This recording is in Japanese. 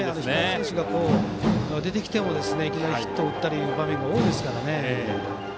選手が出てきてもいきなりヒットを打っている場面が多いですからね。